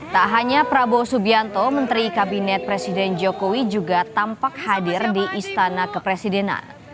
tak hanya prabowo subianto menteri kabinet presiden jokowi juga tampak hadir di istana kepresidenan